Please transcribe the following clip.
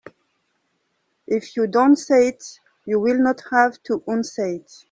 If you don't say it you will not have to unsay it.